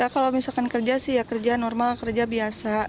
kalau misalkan kerja sih ya kerja normal kerja biasa